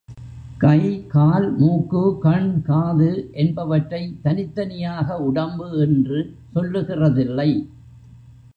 கை, கால், மூக்கு, கண், காது என்பவற்றைத் தனித்தனியாக உடம்பு என்று சொல்லுகிறதில்லை.